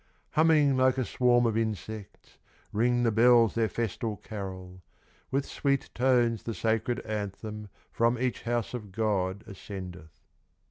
Humming like a swarm of insects, Ring the bells their festal carol. With sweet tones the sacred anthem From each house of God ascendeth.